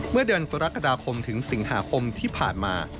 เมื่อเดือนกรกฎาคมถึงสิงหาคมที่ผ่านมา